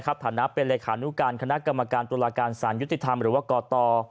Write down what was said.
ขณะเป็นแลขานุการคณะกรรมการตัวลาการสารยุติธรรมหรือกาต่อ